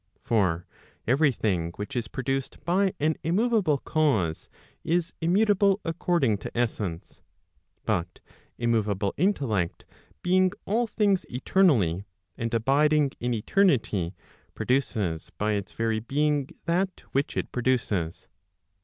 For every thing which is produced by an immoveable cause, is immutable according to essence. But immoveable intellect being all things eternally, and abiding in eternity, produces by its very being that which it produces.